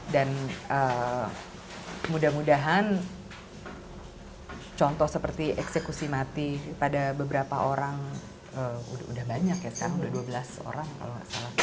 dan mudah mudahan contoh seperti eksekusi mati pada beberapa orang udah banyak ya sekarang udah dua belas orang kalau gak salah